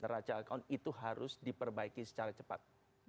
raca account itu harus diperbaiki secara cepat